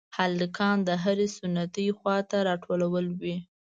هلکان د هرې ستنې خواته راټول وي.